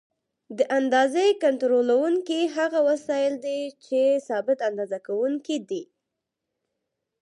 د اندازې کنټرولوونکي هغه وسایل دي چې ثابت اندازه کوونکي دي.